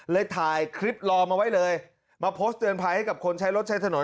ถ่ายคลิปรอมาไว้เลยมาโพสต์เตือนภัยให้กับคนใช้รถใช้ถนน